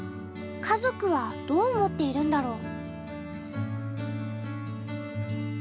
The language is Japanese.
家族はどう思っているんだろう？